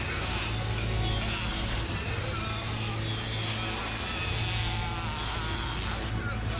sepertinya aku harus menolongmu